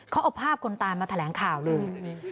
เขาเอาภาพคนตายมาแถลงข่าวเลย